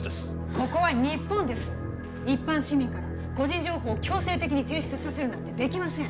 ここは日本です、一般市民から個人情報を強制的に提出するなんてできません。